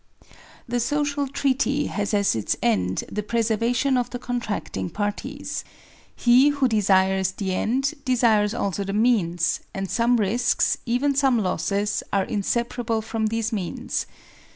The social treaty has as its end the preservation of the contracting parties. He who desires the end desires also the means, and some risks, even some losses, are insep arable from these means.